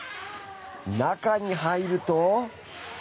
中に入ると。